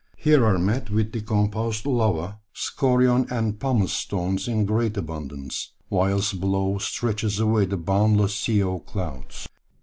Here are met with decomposed lava, scoria, and pumice stones in great abundance, whilst below stretches away the boundless sea of clouds.